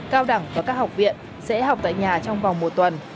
cao đẳng và các học viện sẽ học tại nhà trong vòng một tuần